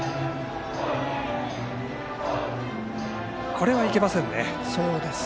これは、いけませんね。